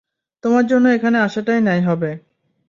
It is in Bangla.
তোমার জন্য এখানে আসাটাই ন্যায় হবে।